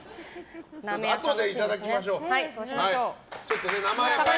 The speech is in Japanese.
あとでいただきましょう。